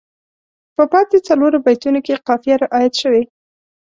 په پاتې څلورو بیتونو کې یې قافیه رعایت شوې.